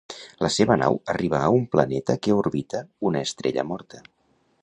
La seva nau arriba a un planeta que orbita una estrella morta.